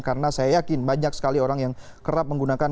karena saya yakin banyak sekali orang yang kerap menggunakan